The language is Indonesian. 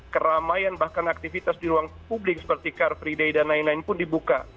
keramaian bahkan aktivitas di ruang publik seperti car free day dan lain lain pun dibuka